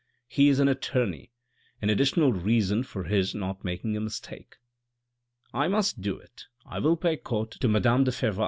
He is an attorney : an additional reason for his not making a mistake. " I must do it, I will pay court to madame de Fervaques.